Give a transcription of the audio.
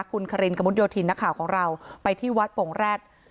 คุณคกมุธยธินนักข่าวของเราไปที่วัดปงแร็ด